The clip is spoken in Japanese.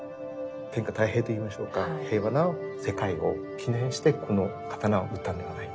天下太平といいましょうか平和な世界を祈念してこの刀を打ったんではないか。